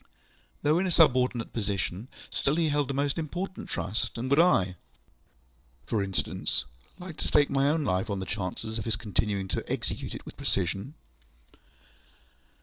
Though in a subordinate position, still he held a most important trust, and would I (for instance) like to stake my own life on the chances of his continuing to execute it with precision?